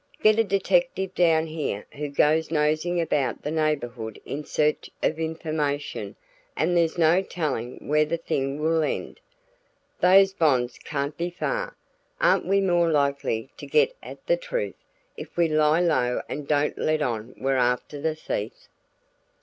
Get a detective down here who goes nosing about the neighborhood in search of information and there's no telling where the thing will end. Those bonds can't be far. Aren't we more likely to get at the truth, if we lie low and don't let on we're after the thief?"